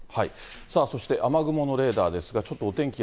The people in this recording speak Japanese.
さあ、そして雨雲のレーダーですが、ちょっとお天気